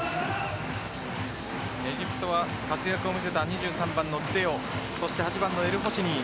エジプトは活躍を見せた２３番のデヨそして８番のエルホシニー